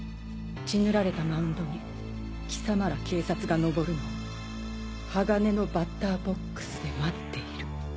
血塗られたマウンドに貴様ら警察が登るのを鋼のバッターボックスで待っている」。